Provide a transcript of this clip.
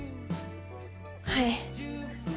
はい。